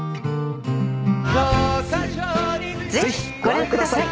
ぜひご覧ください。